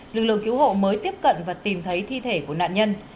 lực lượng cứu hộ mới tiếp cận và tìm thấy thi thể của nạn nhân